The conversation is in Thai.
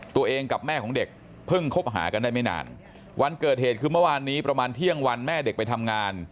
กับแม่ของเด็กเพิ่งคบหากันได้ไม่นานวันเกิดเหตุคือเมื่อวานนี้ประมาณเที่ยงวันแม่เด็กไปทำงาน